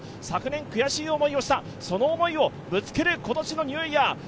昨年悔しい思いをした、その思いをぶつける今年のニューイヤー。